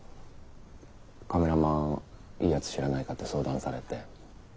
カメラマンいいやつ知らないかって相談されて。